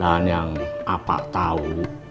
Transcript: dan yang apa tau